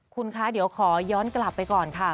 คุณคะเดี๋ยวขอย้อนกลับไปก่อนค่ะ